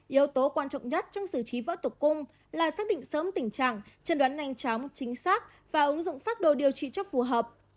yếu tố quan trọng nhất trong xử trí võ tục cung là xác định sớm tình trạng chân đoán nhanh chóng chính xác và ứng dụng phác đồ điều trị cho phù hợp